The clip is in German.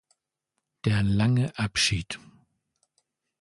Der Lange Abschied“.